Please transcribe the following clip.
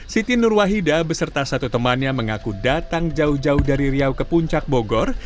siti nur wahida beserta satu temannya mengaku datang jauh jauh dari riau ke puncak bogor